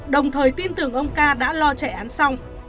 đồng thời tin tưởng ông ca đã lo chạy án xong